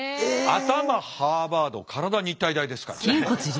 頭ハーバード体日体大ですから。